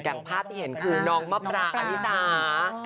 อย่างภาพที่เห็นคือน้องมะปรางอลิสา